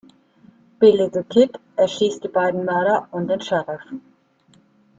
Billy the Kid erschießt die beiden Mörder und den Sheriff.